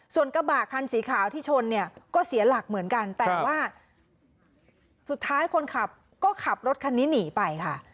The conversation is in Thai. ส่วนกระบะคันสีขาวที่ชนเนี่ยก็เสียหลักเหมือนกันแต่ว่าสุดท้ายคนขับก็ขับรถคันนี้หนีไปค่ะ